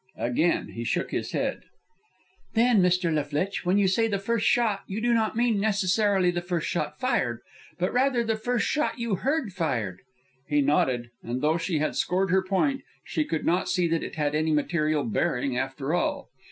Again he shook his head. "Then, Mr. La Flitche, when you say the first shot, you do not mean necessarily the first shot fired, but rather the first shot you heard fired?" He nodded, and though she had scored her point she could not see that it had any material bearing after all.